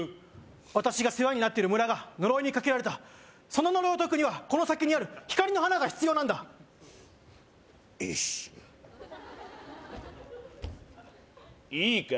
私が世話になっている村が呪いにかけられたその呪いを解くにはこの先にある光の花が必要なんだよいしょいいか？